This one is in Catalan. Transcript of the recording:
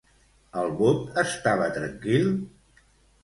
El bot estava tranquil?